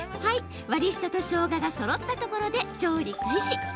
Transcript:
はい割り下としょうががそろったところで調理開始。